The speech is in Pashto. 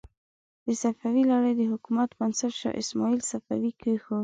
د صفوي لړۍ د حکومت بنسټ شاه اسماعیل صفوي کېښود.